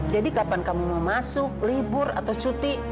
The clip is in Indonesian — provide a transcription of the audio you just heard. jadi kapan kamu mau masuk libur atau cuti